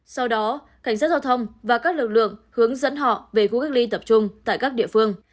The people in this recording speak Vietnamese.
sau đó cảnh sát giao thông và các lực lượng hướng dẫn họ về khu cách ly tập trung tại các địa phương